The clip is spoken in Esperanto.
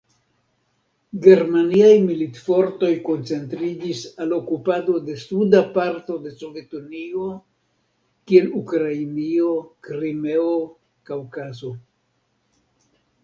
Germaniaj militfortoj koncentriĝis al okupado de suda parto de Sovetunio, kiel Ukrainio, Krimeo, Kaŭkazo.